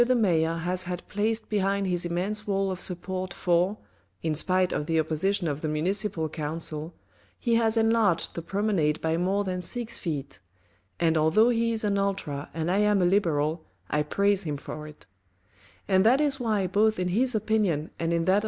the mayor has had placed behind his immense wall of support for (in spite of the opposition of the Municipal Council) he has enlarged the promenade by more than six feet (and although he is an Ultra and I am a Liberal, I praise him for it), and that is why both in his opinion and in that of M.